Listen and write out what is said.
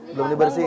belum ini bersihin